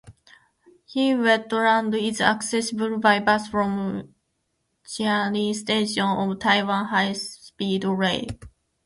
The wetland is accessible by bus from Chiayi Station of Taiwan High Speed Rail.